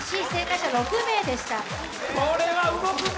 これは動くぞ！